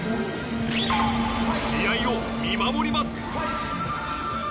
試合を見守ります